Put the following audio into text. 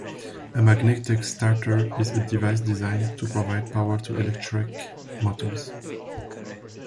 A magnetic starter is a device designed to provide power to electric motors.